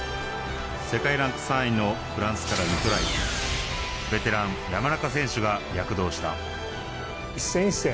世界ランク３位のフランスからベテラン山中選手が躍動した一戦一戦